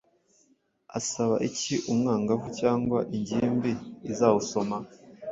asaba iki umwangavu cyangwa ingimbi izawusoma?